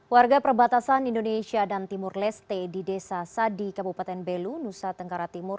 warga perbatasan indonesia dan timur leste di desa sadi kabupaten belu nusa tenggara timur